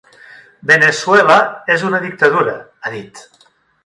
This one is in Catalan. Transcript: Veneçuela és una dictadura, ha dit.